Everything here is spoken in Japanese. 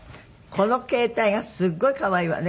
この形態がすっごい可愛いわね